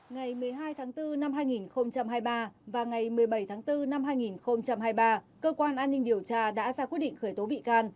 ngày một mươi hai tháng bốn năm hai nghìn hai mươi ba và ngày một mươi bảy tháng bốn năm hai nghìn hai mươi ba cơ quan an ninh điều tra đã ra quyết định khởi tố bị can